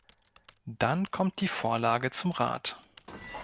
Dann kommt die Vorlage zum Rat.